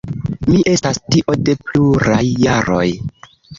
Mi estas tio de pluraj jaroj.